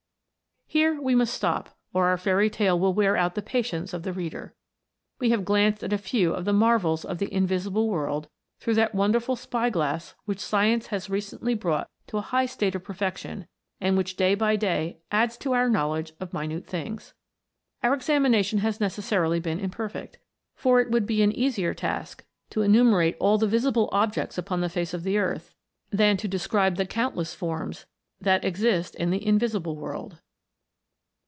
Here we must stop, or our fairy tale will wear out the patience of the reader. We have glanced at a few of the marvels of the invisible world through that wonderful spy glass which science has recently brought to a high state of perfection, and which day by day adds to our knowledge of minute things. Our examination has necessarily been im perfect, for it would be an easier task to enumerate all the visible objects upon the face of the earth, than to describe the countless forms that exist in the invisible world.